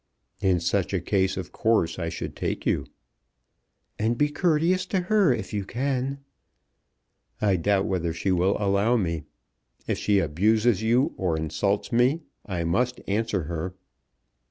"In such case of course I should take you." "And be courteous to her if you can." "I doubt whether she will allow me. If she abuses you or insults me I must answer her."